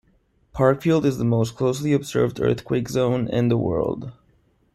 Parkfield is the most closely observed earthquake zone in the world.